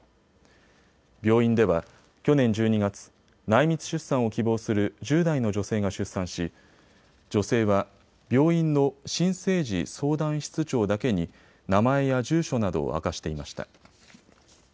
病院では去年１２月、内密出産を希望する１０代の女性が出産し女性は病院の新生児相談室長だけに名前や住所などを明かしていました。